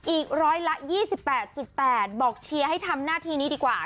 อีกร้อยละ๒๘๘บอกเชียร์ให้ทำหน้าที่นี้ดีกว่า